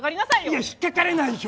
いや引っかかれないよ！